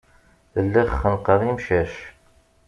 Lliɣ xennqeɣ imcac.